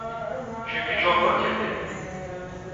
Çünkü çok fakirdi.